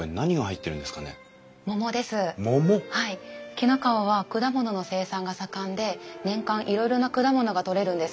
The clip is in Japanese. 紀の川は果物の生産が盛んで年間いろいろな果物が取れるんです。